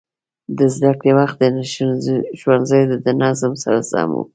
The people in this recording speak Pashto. د زده کړې وخت د ښوونځي د نظم سره سم و.